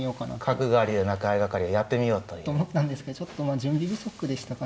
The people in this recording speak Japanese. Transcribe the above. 角換わりでなく相掛かりをやってみようという。と思ったんですけどちょっとまあ準備不足でしたかね。